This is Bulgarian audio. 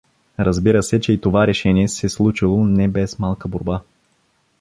Разбира се, че и това решение се случило не без малка борба.